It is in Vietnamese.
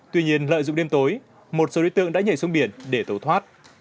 tuy nhiên lợi dụng đêm tối một số đối tượng đã nhảy xuống biển để tẩu thoát